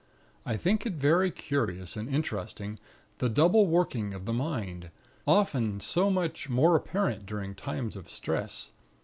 I think it very curious and interesting, the double working of the mind, often so much more apparent during times of stress.